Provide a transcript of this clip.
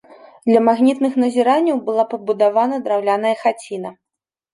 Для магнітных назіранняў была пабудавана драўляная хаціна.